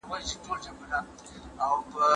کېدای سي خبري اوږدې وي،